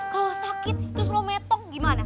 kalau sakit terus lo metok gimana